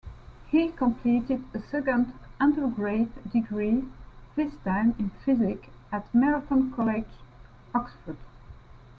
He completed a second undergraduate degree, this time in physics at Merton College, Oxford.